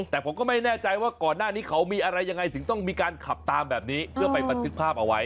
แต่ผมก็ไม่แน่ใจว่าก่อนหน้านี้เขามีอะไรยังไงถึงต้องมีการขับตามแบบนี้เพื่อไปบันทึกภาพเอาไว้